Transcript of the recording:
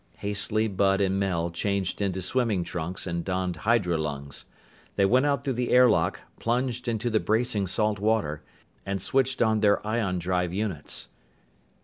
Hastily Bud and Mel changed into swimming trunks and donned hydrolungs. They went out through the air lock, plunged into the bracing salt water, and switched on their ion drive units.